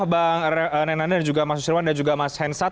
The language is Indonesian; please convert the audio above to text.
bang nenanda dan juga mas nusirwan dan juga mas hensat